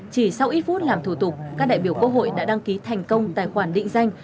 chỉ sau ít phút làm thủ tục các đại biểu quốc hội đã đăng ký thành công tài khoản định danh